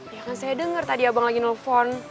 ya kan saya dengar tadi abang lagi nelfon